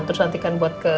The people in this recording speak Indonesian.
terus nanti kan buat ke